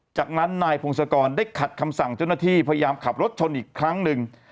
จากนั้นนายพงศกรได้ขัดคำสั่งเจ้าหน้าที่พยายามขับรถชนอีกครั้งหนึ่ง